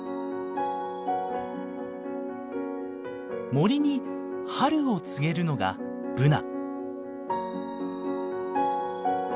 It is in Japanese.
森に春を告げるのがブナ。